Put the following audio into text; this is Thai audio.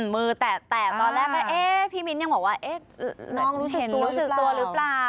มือแตะตอนแรกพี่มิ้นติดเนื้อว่านู้นเห็นรู้สึกตัวหรือเปล่า